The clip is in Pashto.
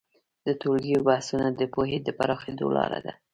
د ټولګیو بحثونه د پوهې د پراخېدو لاره ده.